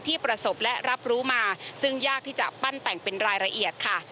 ประสบและรับรู้มาซึ่งยากที่จะปั้นแต่งเป็นรายละเอียดค่ะ